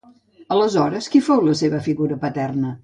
Aleshores, qui fou la seva figura paterna?